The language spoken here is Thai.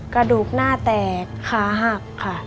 กระดูกหน้าแตกขาหักค่ะ